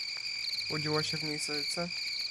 "Budziło się w niej serce?"